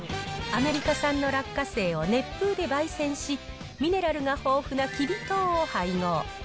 アメリカ産の落花生を熱風でばい煎し、ミネラルが豊富なきび糖を配合。